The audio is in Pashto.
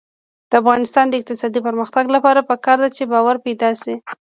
د افغانستان د اقتصادي پرمختګ لپاره پکار ده چې باور پیدا شي.